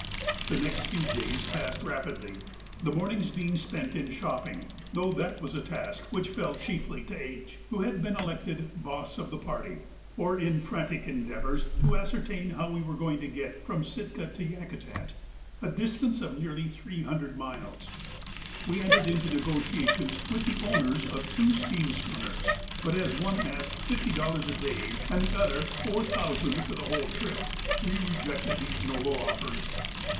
The next few days passed rapidly, the mornings being spent in shopping, though that was a task which fell chiefly to H., who had been elected 'boss' of the party, or in frantic endeavours to ascertain how we were going to get from Sitka to Yakutat, a distance of nearly three hundred miles. We entered into negotiations with the owners of two steam schooners, but as one asked fifty dollars a day and the other four thousand for the whole trip, we rejected these noble offers.